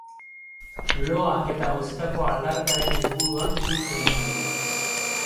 Loa eta goizetako aldartearen inguruan hitz egin dugu.